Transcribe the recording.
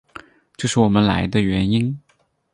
这是我们来的原因。